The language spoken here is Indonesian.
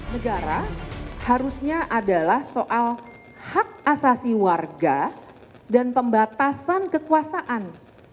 negara harusnya adalah soal hak asasi warga dan pembatasan kekuasaan